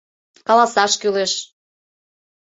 — Каласаш кӱлеш.